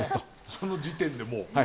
その時点でもう。